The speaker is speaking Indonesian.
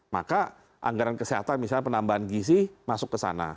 maka anggaran kesehatan misalnya penambahan gizi masuk ke sana